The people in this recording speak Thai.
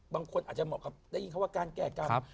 บางคนอาจจะได้ยินว่าการแก้กรรม